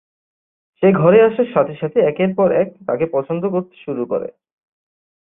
সে ঘরে আসার সাথে সাথে একের পর এক তাকে পছন্দ করতে শুরু করে।